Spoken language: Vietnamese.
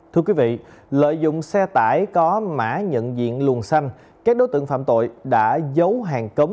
thưa quý vị lợi dụng xe tải có mã nhận diện luồn xanh các đối tượng phạm tội đã giấu hàng cấm